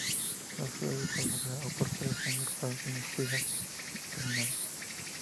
Las flores de color rosa o púrpura están agrupadas en espigas terminales.